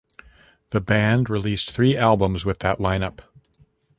The band released three albums with that lineup.